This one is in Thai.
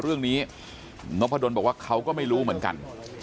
เรื่องนี้นพดลบอกว่าเขาก็ไม่รู้เหมือนกัน